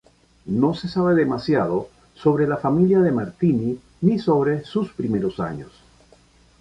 No se sabe demasiado sobre la familia de Martini ni sobre sus primeros años.